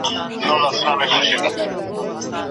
په دواړو شعرونو کي